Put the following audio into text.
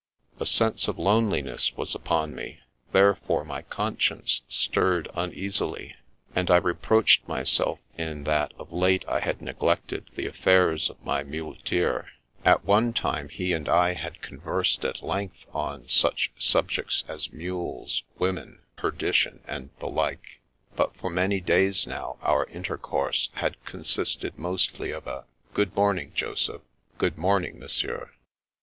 A sense of loneliness was upon me, therefore my conscience stirred uneasily, and I reproached myself in that of late I had neglected the affairs of my muleteer. At one time he and I had conversed at length on such subjects as mules, women, perdition, and the like ; but for many days now our intercourse had consisted mostly of a " Good morning, Joseph !"" Good morning. Monsieur